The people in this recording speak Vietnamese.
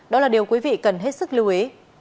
đó là điều quý vị cần hết sức lưu ý